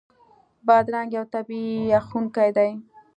بادرنګ یو طبعي یخونکی دی.